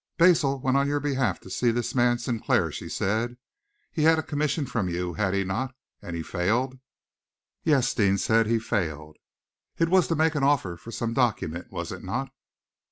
"Basil went on your behalf to see this man, Sinclair," she said. "He had a commission from you, had he not, and he failed?" "Yes!" Deane said. "He failed!" "It was to make an offer for some document, was it not?"